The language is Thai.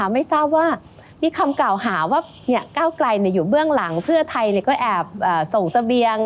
ไม่ทราบว่ามีคำกล่าวหาว่าก้าวไกลอยู่เบื้องหลังเพื่อไทยก็แอบส่งเสบียง